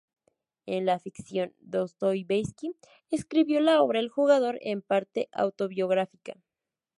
En la ficción, Dostoievski escribió la obra "El jugador", en parte autobiográfica.